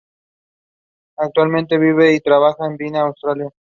Su padre es afroamericano, de Georgia, y su madre es puertorriqueña.